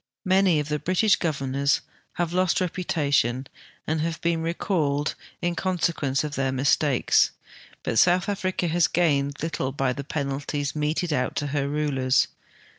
Many of the British governors have lost reputation and have been recalled in conse quence of their mistakes, l^ut South Africa has gained little by the penalties meted out to her rulers.